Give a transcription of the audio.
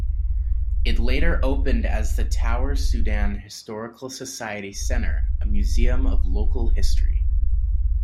It later opened as the Tower-Soudan Historical Society Center, a museum of local history.